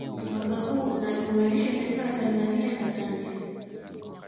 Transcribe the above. Mpaka huu unaliunganisha taifa la Tanzania na Zambia